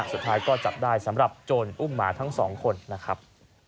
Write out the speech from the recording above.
สุดท้ายก็จับได้สำหรับโจรอุ้มหมาทั้งสองคนนะครับ